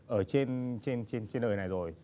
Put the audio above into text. ở trên đời này rồi